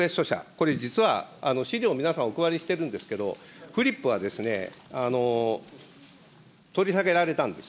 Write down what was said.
これ、実は資料を皆さん、お配りしてるんですけれども、フリップは取り下げられたんです。